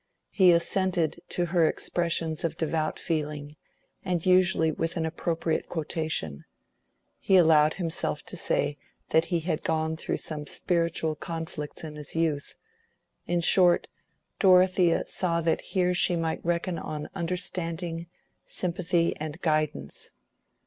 He assented to her expressions of devout feeling, and usually with an appropriate quotation; he allowed himself to say that he had gone through some spiritual conflicts in his youth; in short, Dorothea saw that here she might reckon on understanding, sympathy, and guidance.